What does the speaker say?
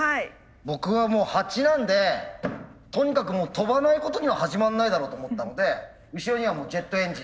僕はもう蜂なんでとにかく飛ばないことには始まんないだろうと思ったので後ろにはもうジェットエンジン。